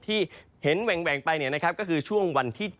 ที่เห็นแหว่งไปก็คือช่วงวันที่๗